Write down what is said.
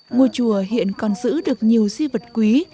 ngôi chùa hiện còn giữ được nhiều di vật quý